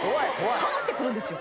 変わってくるんですよ。